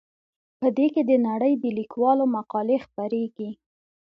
په دې کې د نړۍ د لیکوالو مقالې خپریږي.